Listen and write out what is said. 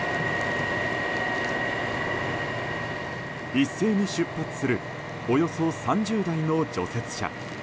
一斉に出発するおよそ３０台の除雪車。